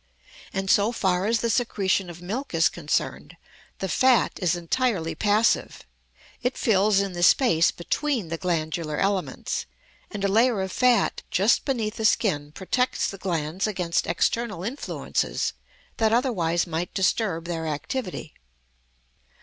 And so far as the secretion of milk is concerned the fat is entirely passive; it fills in the space between the glandular elements; and a layer of fat just beneath the skin protects the glands against external influences that otherwise might disturb their activity.